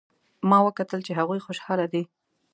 ما وکتل چې هغوی خوشحاله دي